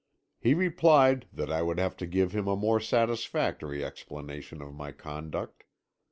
He replied that I would have to give him a more satisfactory explanation of my conduct.